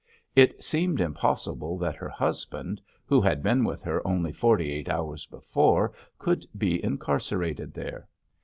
It seemed impossible that her husband, who had been with her only forty eight hours before, could be incarcerated there.